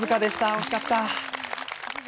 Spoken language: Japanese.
惜しかった。